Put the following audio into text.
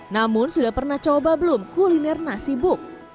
namun sudah pernah coba belum kuliner nasi buk